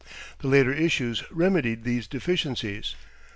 The later issues remedied these deficiencies.